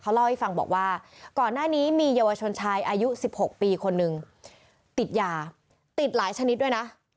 เล่าให้ฟังบอกว่าก่อนหน้านี้มีเยาวชนชายอายุ๑๖ปีคนนึงติดยาติดหลายชนิดด้วยนะ